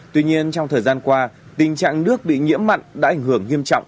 tuy nhiên trong thời gian qua tình trạng nước bị nhiễm mặn đã ảnh hưởng nghiêm trọng